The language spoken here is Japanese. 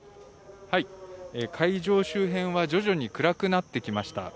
会場周辺は徐々に暗くなってきました。